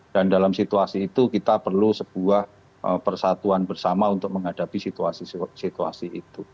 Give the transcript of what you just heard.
dan dalam situasi itu kita perlu sebuah persatuan bersama untuk menghadapi situasi itu